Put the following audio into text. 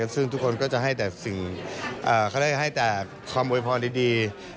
ซึ่งทุกคนก็จะให้แต่ความโวยพรดี